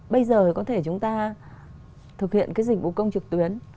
bây giờ có thể chúng ta thực hiện cái dịch vụ công trực tuyến